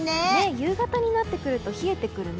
夕方になってくると冷えてくるね。